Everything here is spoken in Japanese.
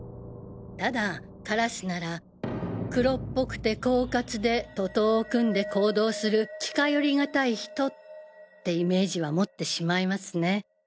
ただ烏なら黒っぽくて狡猾で徒党を組んで行動する近寄りがたい人ってイメージは持ってしまいますね。